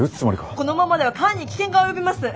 このままでは艦に危険が及びます。